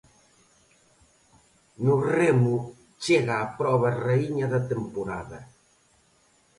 No remo chega a proba raíña da temporada.